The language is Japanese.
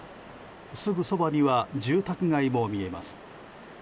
すぐそばには住宅街も見えます。